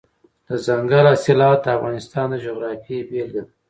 دځنګل حاصلات د افغانستان د جغرافیې بېلګه ده.